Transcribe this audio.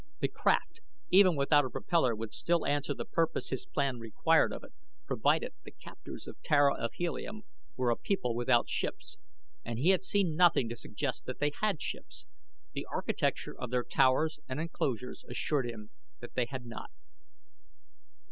The craft even without a propellor would still answer the purpose his plan required of it provided the captors of Tara of Helium were a people without ships, and he had seen nothing to suggest that they had ships. The architecture of their towers and enclosures assured him that they had not.